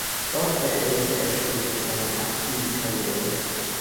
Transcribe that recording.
Dort beendete er schließlich seine aktive Karriere.